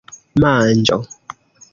manĝo